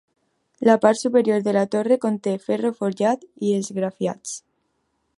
La part superior de la torre conté ferro forjat i esgrafiats.